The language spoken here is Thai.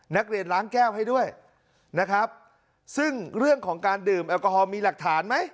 นักเรียนล้างแก้วให้ด้วยนะครับซึ่งเรื่องของการดื่มแอลกอฮอลมีหลักฐานไหม